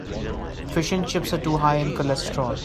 Fish and chips are too high in cholesterol.